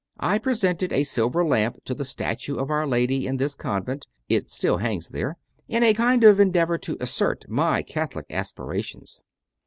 I presented a silver lamp to the statue of Our Lady in this convent (it still hangs there), in a kind of endeavour to assert my Catholic aspirations.